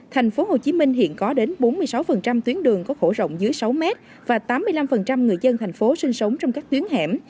tp hcm hiện có đến bốn mươi sáu tuyến đường có khổ rộng dưới sáu mét và tám mươi năm người dân thành phố sinh sống trong các tuyến hẻm